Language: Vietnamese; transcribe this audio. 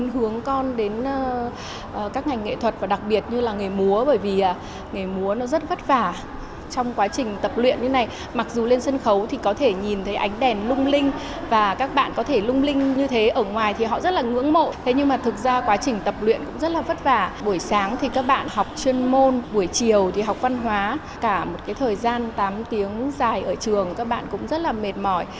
học chuyên môn buổi chiều thì học văn hóa cả một cái thời gian tám tiếng dài ở trường các bạn cũng rất là mệt mỏi